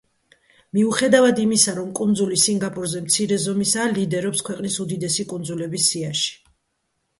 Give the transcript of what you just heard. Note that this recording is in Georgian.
მიუხედავად იმისა, რომ კუნძული სინგაპურზე მცირე ზომისაა, ლიდერობს ქვეყნის უდიდესი კუნძულების სიაში.